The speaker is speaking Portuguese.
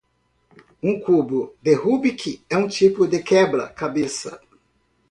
Um cubo de rubik é um tipo de quebra-cabeça.